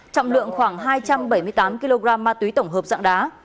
trọng lượng khoảng hai trăm bảy mươi tám kg ma túy tổng hợp dạng đá